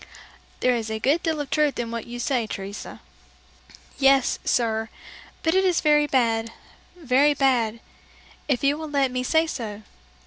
'" "There is a good deal of truth in what you say, Teresa." "Yes, sir, but it is very bad, very bad, if you will let me say so!